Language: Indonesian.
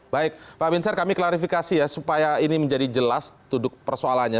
baik pak binsar kami klarifikasi ya supaya ini menjadi jelas tuduk persoalannya